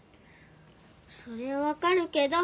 そりゃわかるけど。